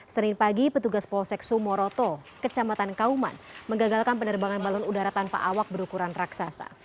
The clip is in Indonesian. senin pagi petugas polsek sumoroto kecamatan kauman mengagalkan penerbangan balon udara tanpa awak berukuran raksasa